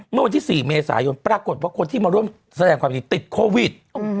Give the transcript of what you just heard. เมื่อวันที่๔เมษายนปรากฏว่าคนที่มาร่วมแสดงความยินดีติดโควิด